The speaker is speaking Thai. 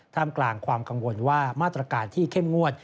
กลางความกังวลว่ามาตรการที่เข้มงวด